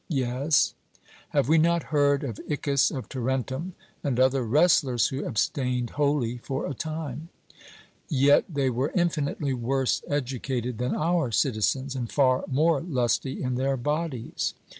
'Yes.' Have we not heard of Iccus of Tarentum and other wrestlers who abstained wholly for a time? Yet they were infinitely worse educated than our citizens, and far more lusty in their bodies.